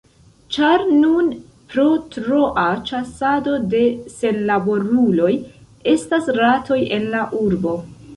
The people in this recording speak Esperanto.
Ĉar nun, pro troa ĉasado de senlaboruloj, estas ratoj en la urbo.